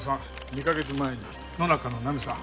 ２カ月前に野中のナミさん。